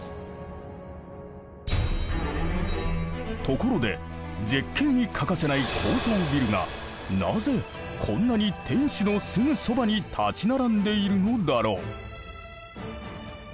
ところで絶景に欠かせない高層ビルがなぜこんなに天守のすぐそばに立ち並んでいるのだろう。